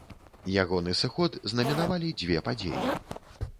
Ягоны сыход знаменавалі дзве падзеі.